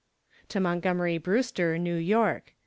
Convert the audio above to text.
To MONTGOMERY BREWSTER, New York.